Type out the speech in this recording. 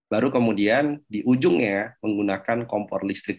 baru kemudian di ujungnya menggunakan kompor listrik